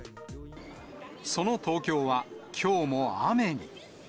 その東京はきょうも雨に。